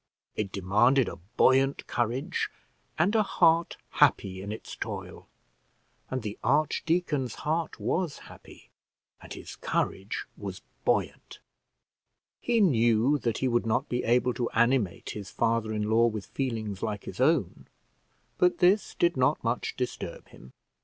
It demanded a buoyant courage, and a heart happy in its toil; and the archdeacon's heart was happy, and his courage was buoyant. He knew that he would not be able to animate his father in law with feelings like his own, but this did not much disturb him.